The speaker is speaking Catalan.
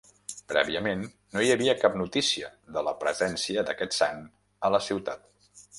Prèviament, no hi havia cap notícia de la presència d'aquest sant a la ciutat.